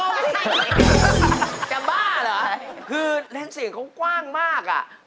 จะบ้าเหรอคือเล่นเสียงเขากว้างมากอ่ะ